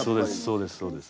そうです